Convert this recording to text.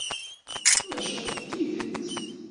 Maca d tidet.